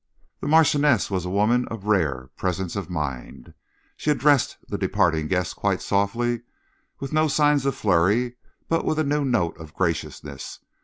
The Marchioness was a woman of rare presence of mind. She addressed the departing guest quite softly, with no signs of flurry, but with a new note of graciousness.